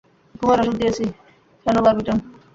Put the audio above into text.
ঘুমের অষুধ দিয়েছি, ফেনোবারবিটন।